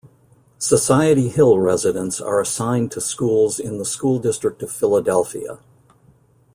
Society Hill residents are assigned to schools in the School District of Philadelphia.